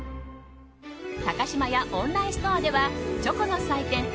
高島屋オンラインストアではチョコの祭典